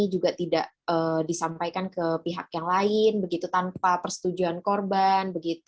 juga tidak disampaikan ke pihak yang lain begitu tanpa persetujuan korban